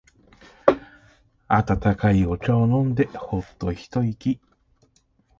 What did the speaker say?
温かいお茶を飲んでホッと一息。